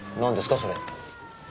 それ。